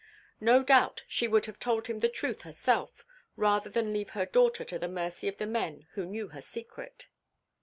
No doubt she would have told him the truth herself rather than leave her daughter to the mercy of the men who knew her secret.